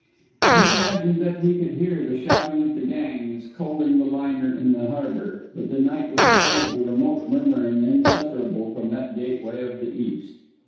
He imagined that he could hear the shouting of the gangs coaling the liner in the harbour; but the night was full of the remote murmuring inseparable from that gateway of the East.